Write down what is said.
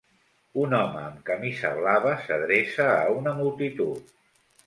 Un home amb camisa blava s'adreça a una multitud.